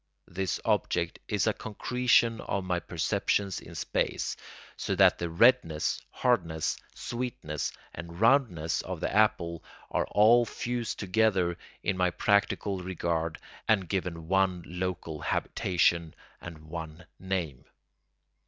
This object is a concretion of my perceptions in space, so that the redness, hardness, sweetness, and roundness of the apple are all fused together in my practical regard and given one local habitation and one name.